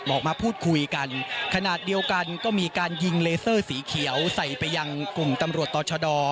มาพูดคุยกันขนาดเดียวกันก็มีการยิงเลเซอร์สีเขียวใส่ไปยังกลุ่มตำรวจต่อชะดอ